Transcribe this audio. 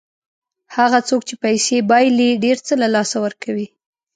هغه څوک چې پیسې بایلي ډېر څه له لاسه ورکوي.